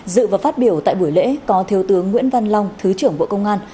dự và phát biểu tại buổi lễ có thiếu tướng nguyễn văn long thứ trưởng bộ công an